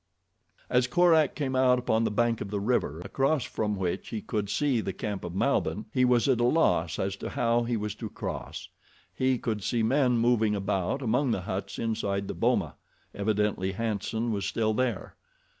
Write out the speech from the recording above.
As Korak came out upon the bank of the river across from which he could see the camp of Malbihn he was at a loss as to how he was to cross. He could see men moving about among the huts inside the boma—evidently Hanson was still there.